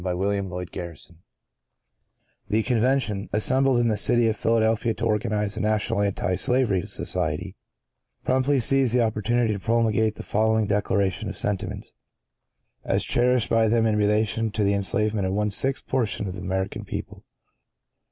by William Lloyd Garrison The Convention, assembled in the City of Philadelphia to organize a National Anti Slavery Society, promptly seize the opportunity to promulgate the following Declaration of Sentiments, as cherished by them in relation to the enslavement of one sixth portion of the American people.